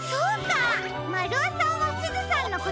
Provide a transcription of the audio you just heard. まるおさんはすずさんのことがすきなのか！